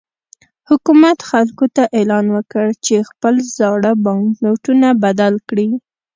حکومت خلکو ته اعلان وکړ چې خپل زاړه بانکنوټونه بدل کړي.